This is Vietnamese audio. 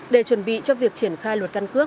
để chuẩn bị cho việc triển khai luật căn cước